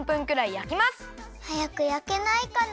はやくやけないかな。